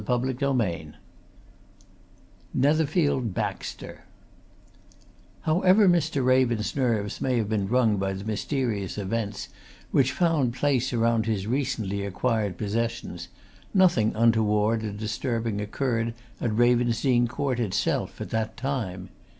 CHAPTER XII NETHERFIELD BAXTER However Mr. Raven's nerves may have been wrung by the mysterious events which found place around his recently acquired possessions, nothing untoward or disturbing occurred at Ravensdene Court itself at that time.